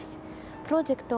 プロジェクト